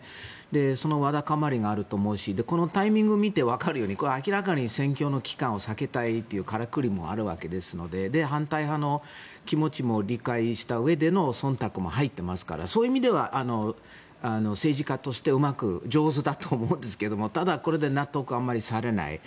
そのわだかまりがあると思うしこのタイミングを見てわかると思うんですけど明らかに選挙の期間を避けたいというからくりもあるわけですので反対派の気持ちも理解したうえでそんたくも入っていますからそういう意味では政治家としてうまく、上手だと思うんですがただ、これで納得はあまりされない。